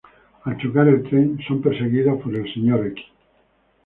Al chocar el tren, son perseguidos por el Sr.